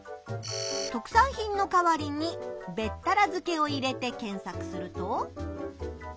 「特産品」の代わりに「べったら漬け」を入れて検索すると。